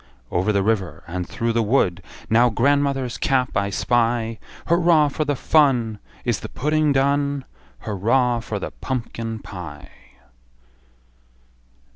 Over the river, and through the wood Now grandmother's cap I spy! Hurra for the fun! Is the pudding done? Hurra for the pumpkin pie!